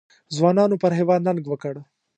ځوانانو پر هېواد ننګ وکړ.